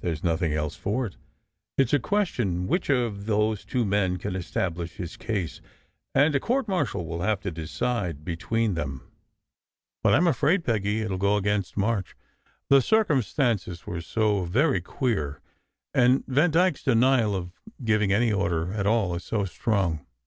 There s nothing else for it. It s a question which of those two men can establish his case, and a court martial will have to decide between them. But, I m afraid, Peggy, it will go against March. The circumstances were so very queer, and Vandyke s denial of giving any order at all is so strong.